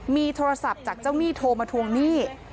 มีโทรศัพท์จากเจ้าหนี้โทรมาทวงหนี้